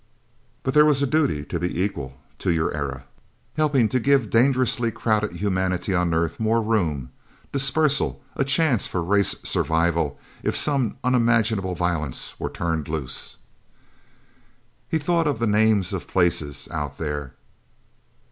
But there was a duty to be equal to your era helping to give dangerously crowded humanity on Earth more room, dispersal, a chance for race survival, if some unimaginable violence were turned loose... He thought of the names of places Out There.